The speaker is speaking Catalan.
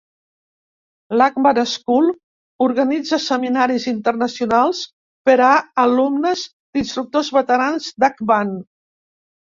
L'Akban School organitza seminaris internacionals per a alumnes d'instructors veterans d'Akban.